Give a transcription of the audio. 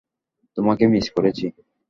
তোমাকে মিস করেছি।